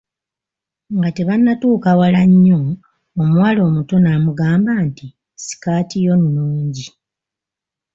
Nga tebannatuuka wala nnyo omuwala omuto n'amugamba nti, Sikati yo nnungi .